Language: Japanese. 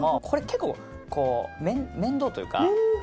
結構面倒というか。